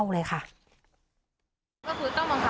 แล้วเพื่อนเขาก็พูดประมาณว่า